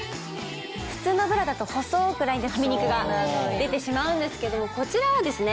普通のブラだと細くラインでハミ肉が出てしまうんですけどもこちらはですね